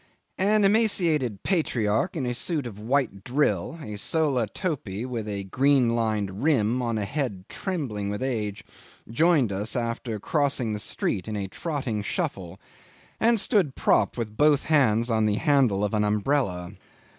'An emaciated patriarch in a suit of white drill, a solah topi with a green lined rim on a head trembling with age, joined us after crossing the street in a trotting shuffle, and stood propped with both hands on the handle of an umbrella.